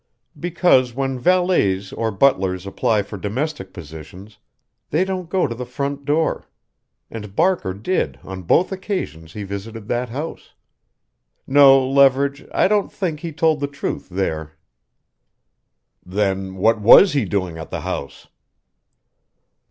"Because when valets or butlers apply for domestic positions they don't go to the front door, and Barker did on both occasions he visited that house. No, Leverage I don't think he told the truth there." "Then what was he doing at the house?"